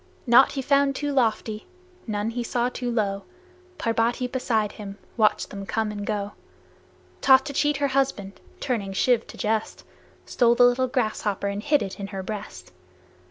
Naught he found too lofty, none he saw too low Parbati beside him watched them come and go; Thought to cheat her husband, turning Shiv to jest Stole the little grasshopper and hid it in her breast.